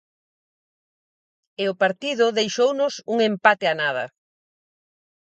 E o partido deixounos un empate a nada.